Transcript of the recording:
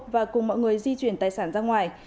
và cùng mọi người di chuyển tài sản ra ngoài